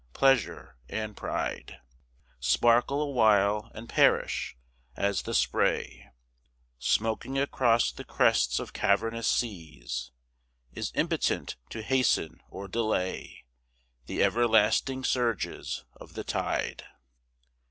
Pleasure and pride Sparkle awhile and perish, as the spray Smoking across the crests of cavernous seas Is impotent to hasten or delay The everlasting surges of the tide.